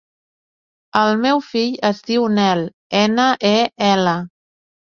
El meu fill es diu Nel: ena, e, ela.